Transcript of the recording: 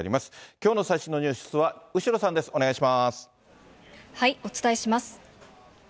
きょうの最新のニュースは後呂さお伝えします。